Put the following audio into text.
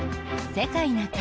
「世界な会」。